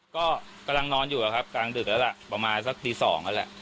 ก็กำลังนอนอยู่อะครับกลางดึกแล้วล่ะประมาณสักตี๒แล้วแหละ